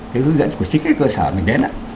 cái hướng dẫn của chính cái cơ sở mình đến ạ